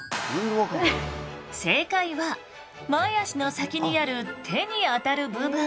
正解は前あしの先にある手にあたる部分。